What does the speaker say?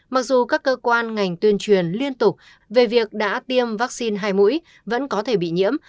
mặc dù các cơ quan ngành tuyên truyền liên tục về việc đã tiêm vaccine hai mũi vẫn có thể bị nhiễm